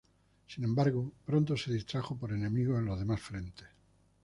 Sin embargo, pronto se distrajo por enemigos en los demás frentes.